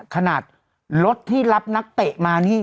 ขนาดรถที่รับนักเตะมานี่